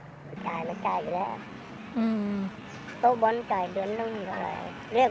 จะจ่ายนะจ่ายกันแรก